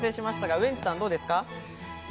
ウエンツさんどうですか？